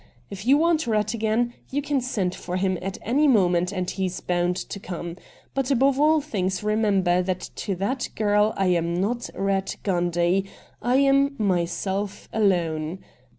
If you want Ratt again you can send for him at any moment and he's bound to come. But above all things remember that to that girl I am not Ratt Gundy — I am myself alone.